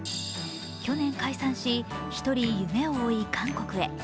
去年解散し、１人夢を追い韓国へ。